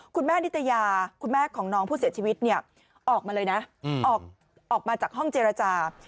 คุณแม่นิตยาคุณแม่ของน้องผู้เสียชีวิตเนี่ยออกมาเลยนะออกมาจากห้องเจรจา